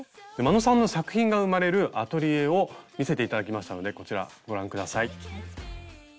眞野さんの作品が生まれるアトリエを見せて頂きましたのでこちらご覧下さい。